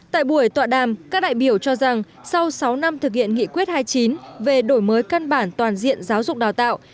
tại buổi tọa đàm các đại biểu cho rằng sau sáu năm thực hiện nghị quyết hai mươi chín về đổi mới căn bản toàn diện giáo dục đào tạo